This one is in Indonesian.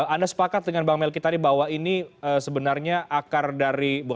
anda sepakat dengan bang melky tadi bahwa ini sebenarnya akar dari